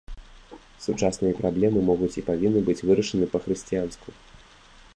Сучасныя праблемы могуць і павінны быць вырашаны па-хрысціянску.